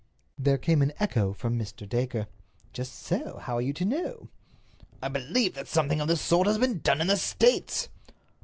There came an echo from Mr. Dacre. "Just so—how are you to know?" "I believe that something of this sort has been done in the States."